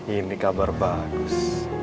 ini kabar bagus